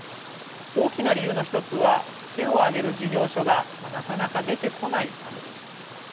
大きな理由の１つは手を挙げる事業所がなかなか出てこないためです。